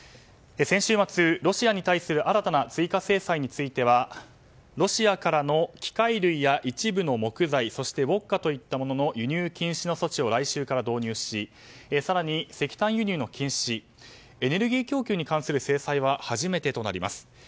先週末、ロシアに対する新たな追加制裁についてはロシアからの機械類や一部の木材そしてウォッカといったものの輸入禁止の措置を来週から導入し更に石炭輸入の禁止エネルギー供給に対する制裁は初めてとなります。